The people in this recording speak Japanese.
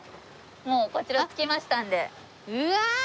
もうこちら着きましたんで。